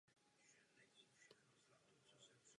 Rád bych uvedl tři poznámky přímo k problému.